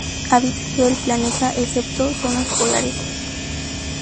Habita en todo el planeta, excepto zonas polares.